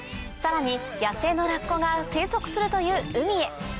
さらに野生のラッコが生息するという海へ。